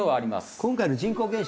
今回の人口減少